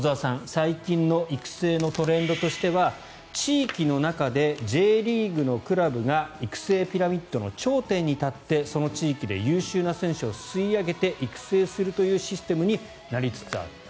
最近の育成のトレンドとしては地域の中でＪリーグのクラブが育成ピラミッドの頂点に立ってその地域で優秀な選手を吸い上げて育成するというシステムになりつつあると。